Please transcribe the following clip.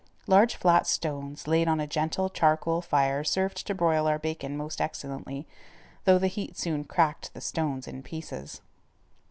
Large flat stones laid on a gentle charcoal fire served to broil our bacon most excellently, though the heat soon cracked the stones in pieces.